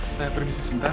saya permisi sebentar